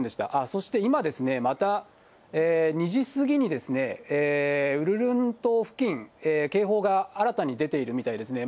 そして今、また２時過ぎに、ウルルン島付近、警報が新たに出ているみたいですね。